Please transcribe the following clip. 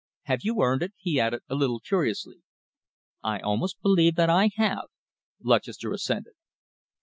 Have you earned it?" he added, a little curiously. "I almost believe that I have," Lutchester assented.